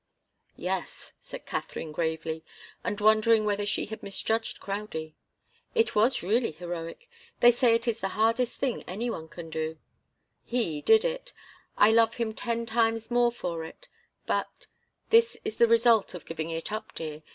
"Yes," said Katharine, gravely, and wondering whether she had misjudged Crowdie. "It was really heroic. They say it is the hardest thing any one can do." "He did it. I love him ten times more for it but this is the result of giving it up, dear.